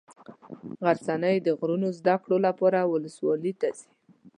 غرڅنۍ د نورو زده کړو لپاره ولسوالي ته ځي.